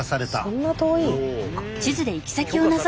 そんな遠い？